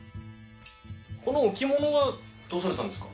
この置物はどうされたんですか？